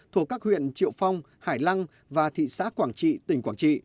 thuộc các huyện triệu phong hải lăng và thị xã quảng trị tỉnh quảng trị